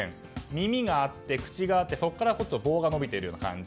耳があって口があって、そこから棒が伸びているような感じ。